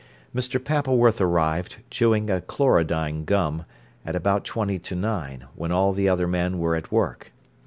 Mr. Pappleworth arrived, chewing a chlorodyne gum, at about twenty to nine, when all the other men were at work.